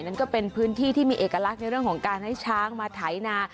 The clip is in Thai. นั่นก็เป็นพื้นที่ที่มีเอกลักษณ์ในเรื่องของการให้ช้างมาไถนา